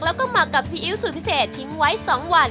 แล้วก็หมักกับซีอิ๊วสูตรพิเศษทิ้งไว้๒วัน